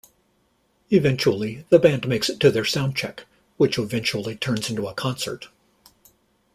Eventually, the band makes it to their soundcheck which eventually turns into a concert.